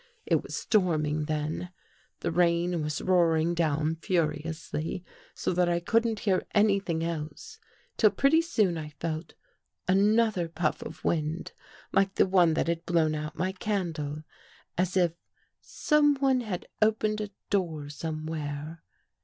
It was storming then. The rain was roar ing down furiously, so that I couldn't hear anything else, till pretty soon I felt another puff of wind like the one that had blown out my candle, as if someone had opened a door somewhere.